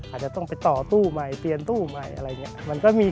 อาจจะต้องไปต่อตู้ใหม่เปลี่ยนตู้ใหม่อะไรอย่างนี้